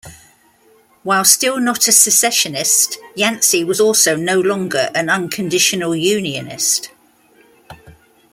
While still not a secessionist, Yancey was also no longer an unconditional unionist.